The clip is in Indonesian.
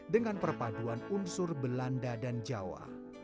dengan perpaduan unsur belanda dan jawa